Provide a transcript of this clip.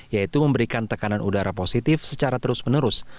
yaitu memberikan tekanan udara positif secara terus menerus